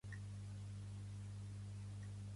Et donaré una nota de cinc lliures cada un.